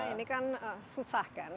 ini kan susah kan